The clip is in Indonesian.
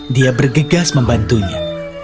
dia bergegas membantunya